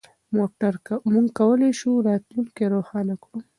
موږ کولای شو راتلونکی روښانه کړو.